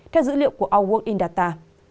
theo dữ liệu của all world in data